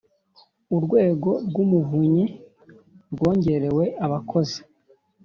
urwego rw’umuvunyi rwongerewe abakozi